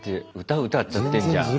歌歌っちゃってんじゃん。